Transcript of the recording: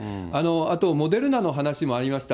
あとモデルナの話もありました。